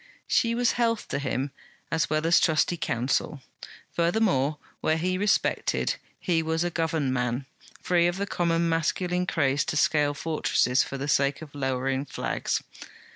She was health to him, as well as trusty counsel. Furthermore, where he respected, he was a governed man, free of the common masculine craze to scale fortresses for the sake of lowering flags.